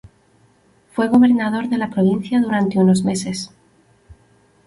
Fue gobernador de la provincia durante unos meses.